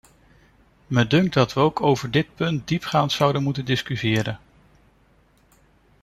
Me dunkt dat we ook over dit punt diepgaand zouden moeten discussiëren.